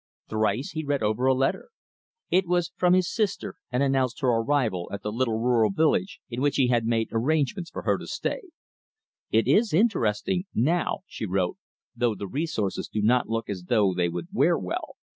Thrice he read over a letter. It was from his sister, and announced her arrival at the little rural village in which he had made arrangements for her to stay. "It is interesting, now," she wrote, "though the resources do not look as though they would wear well.